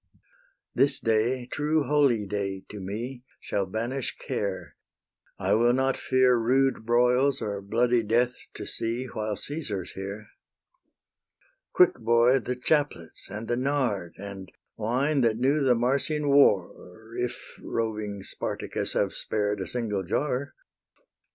This day, true holyday to me, Shall banish care: I will not fear Rude broils or bloody death to see, While Caesar's here. Quick, boy, the chaplets and the nard, And wine, that knew the Marsian war, If roving Spartacus have spared A single jar.